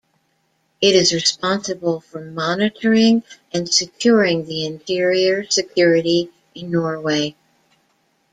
It is responsible for monitoring and securing the interior security in Norway.